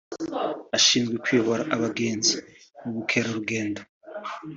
ushinzwe kuyobora abagenzi mu bukerarugendo